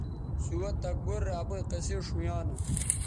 سُوہ تکبُر رے اپئیں قصے ݜؤیانوں